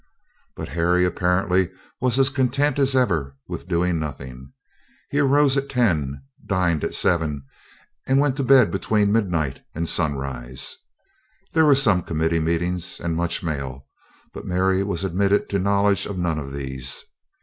But Harry apparently was as content as ever with doing nothing. He arose at ten, dined at seven, and went to bed between midnight and sunrise. There was some committee meetings and much mail, but Mary was admitted to knowledge of none of these.